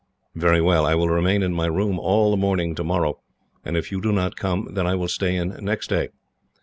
"Very well. I will remain in my room all the morning, tomorrow, and if you do not come then, I will stay in next day."